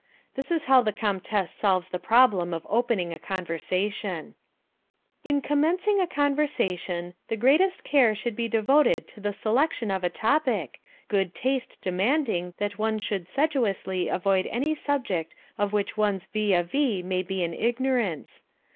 This is how the Comtesse solves the problem of opening a conversation: "In commencing a conversation, the greatest care should be devoted to the selection of a topic, good taste demanding that one should sedulously avoid any subject of which one's vis a vis may be in ignorance.